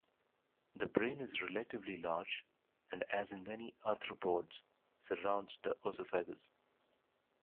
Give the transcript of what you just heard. The brain is relatively large, and, as in many arthropods, surrounds the oesophagus.